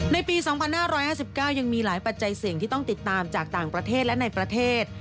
ในปี๒๕๕๙ยังมีหลายปัจจัยเสี่ยงที่ต้องติดตามจากต่างประเทศและในประเทศ